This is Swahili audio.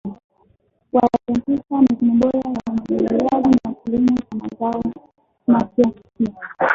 Walianzisha mifumo bora ya umwagiliaji na kilimo cha mazao mapya pia.